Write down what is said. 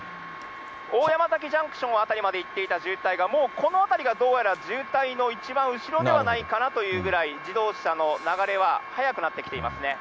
おおやまざきジャンクション辺りまでいっていた渋滞が、この辺りがどうやら渋滞の一番後ろではないかなというぐらい、自動車の流れは速くなってきていますね。